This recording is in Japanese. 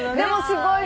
すごい。